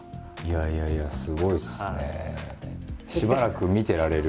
いやいやすごいですね。